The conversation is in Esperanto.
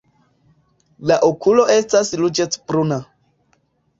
La okulo estas ruĝecbruna.